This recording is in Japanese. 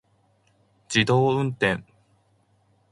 自動運転